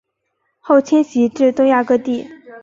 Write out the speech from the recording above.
后迁徙至东亚各地。